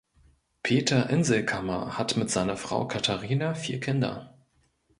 Peter Inselkammer hat mit seiner Frau Katharina vier Kinder.